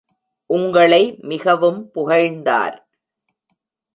உங்களை மிகவும் புகழ்ந்தார்.